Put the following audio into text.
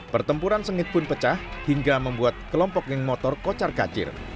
pertempuran sengit pun pecah hingga membuat kelompok geng motor kocar kacir